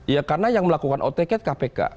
ya karena yang melakukan otket kpk